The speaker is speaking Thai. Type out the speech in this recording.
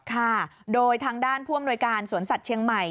ค่ะโดยทางด้านผู้อำนวยการสวนสัตว์เชียงใหม่